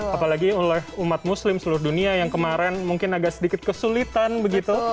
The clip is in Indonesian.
apalagi oleh umat muslim seluruh dunia yang kemarin mungkin agak sedikit kesulitan begitu